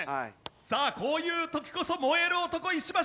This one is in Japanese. さあこういう時こそ燃える男石橋。